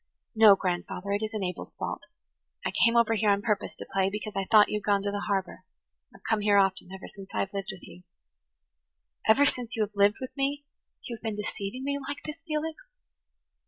"No, grandfather, it isn't Abel's fault. I came over here on purpose to play, because I thought you had gone to the harbour. I have come here often, ever since I have lived with you." "Ever since you have lived with me you have been deceiving me like this, Felix?"